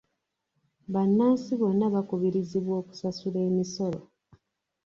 Bannansi bonna bakubirizibwa okusasula emisolo.